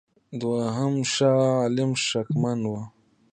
دوهم شاه عالم شکمن وو.